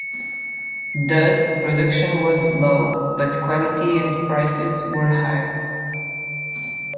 Thus, production was low, but quality and prices were high.